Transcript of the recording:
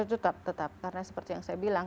tetap tetap karena seperti yang saya bilang